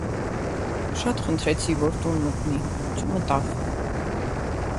Շատ խնդրեցի, որ տուն մտնի, չմտավ: